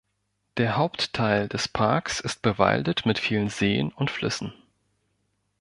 Der Hauptteil des Parks ist bewaldet mit vielen Seen und Flüssen.